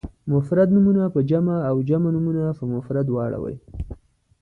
مفرد نومونه په جمع او جمع نومونه په مفرد واړوئ.